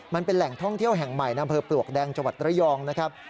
มันเป็นแหล่งท่องเที่ยวแห่งใหม่ในอำเภอปลวกแดงจังหวัดระยองนะครับ